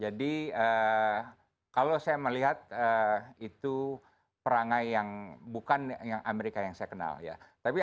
jadi kalau saya melihat itu perangai yang bukan yang amerika yang saya kenal ya